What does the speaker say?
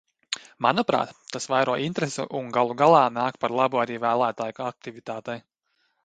Manuprāt, tas vairo interesi un galu galā nāk par labu arī vēlētāju aktivitātei.